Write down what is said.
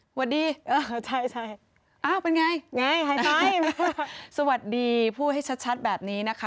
สวัสดีเออเป็นอย่างไรสวัสดีพูดให้ชัดแบบนี้นะคะ